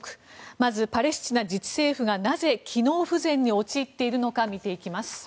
まず、パレスチナ自治政府がなぜ機能不全に陥っているのか見ていきます。